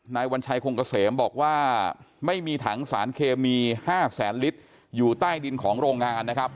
วัญชัยคงเกษมบอกว่าไม่มีถังสารเคมี๕แสนลิตรอยู่ใต้ดินของโรงงานนะครับ